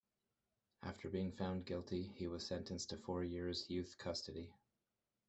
After being found guilty, he was sentenced to four years' youth custody.